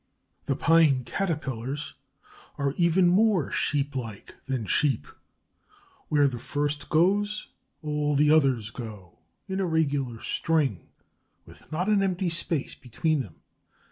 The Pine Caterpillars are even more sheeplike than sheep. Where the first goes all the others go, in a regular string, with not an empty space between them.